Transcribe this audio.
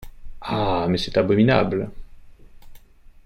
Ah ! mais c’est abominable !